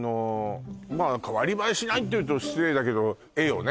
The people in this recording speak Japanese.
まあ代わり映えしないって言うと失礼だけど絵よね